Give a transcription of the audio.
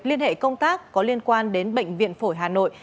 liên hệ công tác có liên quan đến bệnh viện phổi hà nội